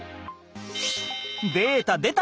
データでた！